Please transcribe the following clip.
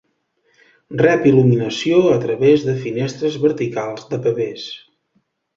Rep il·luminació a través de finestres verticals de pavés.